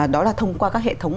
đó là thông qua các hệ thống